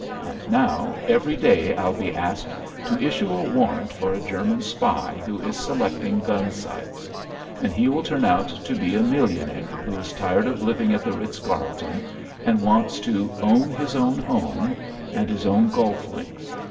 And now every day I'll be asked to issue a warrant for a German spy who is selecting gun sites. And he will turn out to be a millionaire who is tired of living at the Ritz Carlton and wants to 'own his own home' and his own golf links.